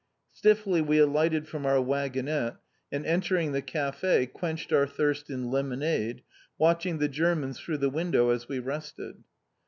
Stiffly we alighted from our waggonette, and entering the café quenched our thirst in lemonade, watching the Germans through the window as we rested.